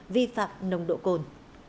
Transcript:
vi phạm nồng độ cồn